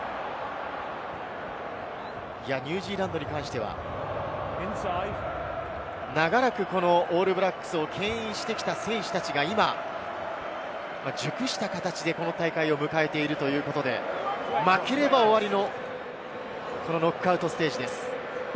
ニュージーランドに関しては、長らくオールブラックスをけん引してきた選手たちが、熟した形でこの大会を迎えているということで、負ければ終わりのノックアウトステージです。